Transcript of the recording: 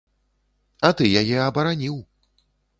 А ты яе абараніў.